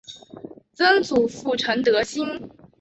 曾祖父陈德兴。